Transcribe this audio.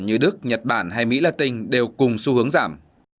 như đức nhật bản hay mỹ latin đều cùng xu hướng giảm